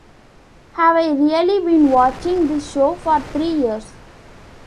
Have I really been watching this show for three years?